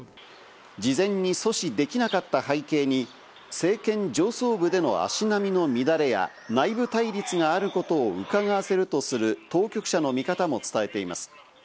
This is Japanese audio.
事前に阻止できなかった背景に、政権上層部での足並みの乱れや、内部対立があることをうかがわせるとする当局者の見方も伝えています。